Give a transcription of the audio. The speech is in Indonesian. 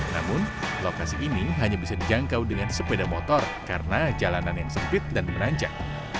namun lokasi ini hanya bisa dijangkau dengan sepeda motor karena jalanan yang sempit dan menanjak